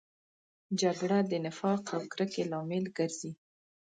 جګړه د نفاق او کرکې لامل ګرځي